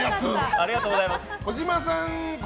ありがとうございます。